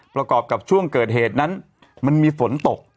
ประกอบกับช่วงเกิดเหตุนั้นมันมีฝนตก